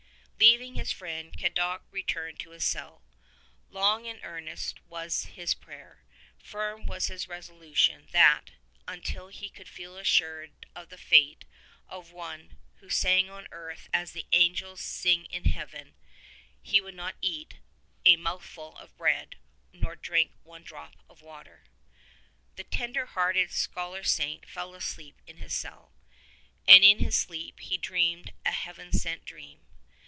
Leaving his friend, Cadoc returned to his cell. Long and earnest was his prayer; firm was his resolution that, until he could feel assured of the fate of one "who sang on earth as the angels sing in Heaven,'^ he would not eat a mouthful of bread nor drink one drop of water. The tender hearted Scholar Saint fell asleep in his cell, and in his sleep he dreamed a Heaven sent dream.